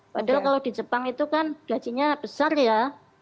padahal kalau di jepang itu kan gajinya besar ya